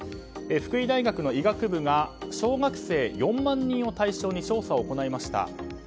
福井大学医学部が小学生４万人を対象に調査を行いました。